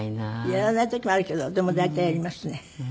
やらない時もあるけどでも大体やりますね。